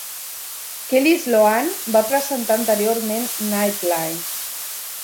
Kellie Sloane va presentar anteriorment "Nightline"